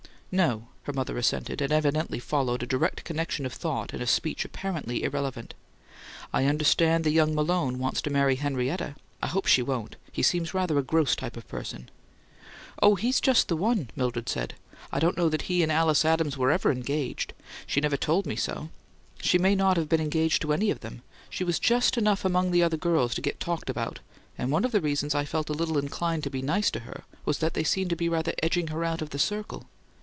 "No," her mother assented, and evidently followed a direct connection of thought in a speech apparently irrelevant. "I understand the young Malone wants to marry Henrietta. I hope she won't; he seems rather a gross type of person." "Oh, he's just one," Mildred said. "I don't know that he and Alice Adams were ever engaged she never told me so. She may not have been engaged to any of them; she was just enough among the other girls to get talked about and one of the reasons I felt a little inclined to be nice to her was that they seemed to be rather edging her out of the circle.